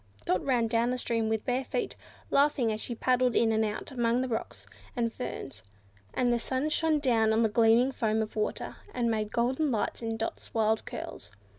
Dot ran down the stream with bare feet, laughing as she paddled in and out among the rocks and ferns, and the sun shone down on the gleaming foam of the water, and made golden lights in Dot's wild curls.